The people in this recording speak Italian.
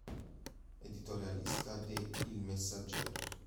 Editorialista de "Il Messaggero".